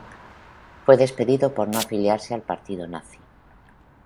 Fue despedido por no afiliarse al partido nazi.